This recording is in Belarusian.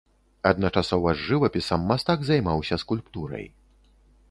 Адначасова з жывапісам мастак займаўся скульптурай.